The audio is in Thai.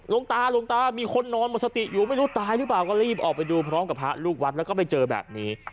หลวงตาหลวงตามีคนนอนหมดสติอยู่ไม่รู้ตายหรือเปล่าก็รีบออกไปดูพร้อมกับพระลูกวัดแล้วก็ไปเจอแบบนี้